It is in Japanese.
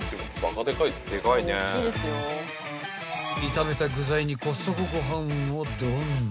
［炒めた具材にコストコご飯をドーン］